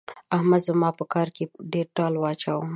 احمد زما په کار کې ډېر ټال واچاوو.